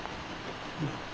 うん。